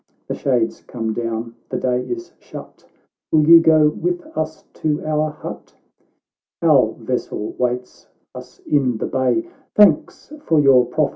The shades come down — the day is shut — Will you go with us to our hut ?"—" Our vessel waits us in the bay ; Thanks for your proffer — have good day."